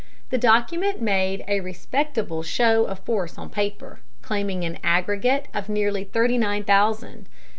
The document made a respectable show of force on paper, claiming an aggregate of nearly thirty nine thousand.